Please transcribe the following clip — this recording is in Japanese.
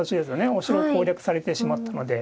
お城を攻略されてしまったので。